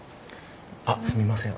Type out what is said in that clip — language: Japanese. あっすみません